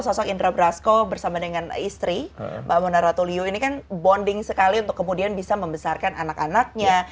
sosok indra brasko bersama dengan istri mbak mona ratulio ini kan bonding sekali untuk kemudian bisa membesarkan anak anaknya